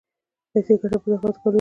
پيسې ګټل په زحمت ګاللو کېږي.